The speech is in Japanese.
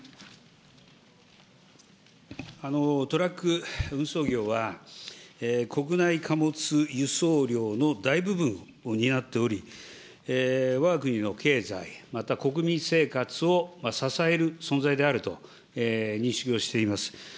トラック運送業は、国内貨物輸送量の大部分を担っており、わが国の経済、また国民生活を支える存在であると認識をしています。